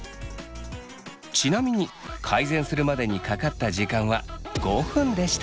ちなみに改善するまでにかかった時間は５分でした。